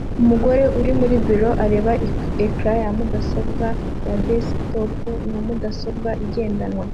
Umugore uri mu biro areba ecran ya mudasobwa ya desktop na mudasobwa igendanwa